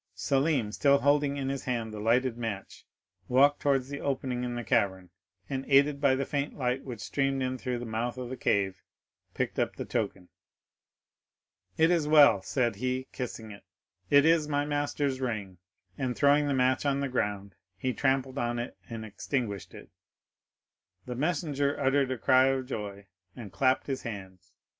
Selim, still holding in his hand the lighted match, walked towards the opening in the cavern, and, aided by the faint light which streamed in through the mouth of the cave, picked up the token. "'It is well,' said he, kissing it; 'it is my master's ring!' And throwing the match on the ground, he trampled on it and extinguished it. The messenger uttered a cry of joy and clapped his hands.